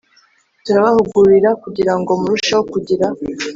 Turabahugurira kugira ngo murusheho kugira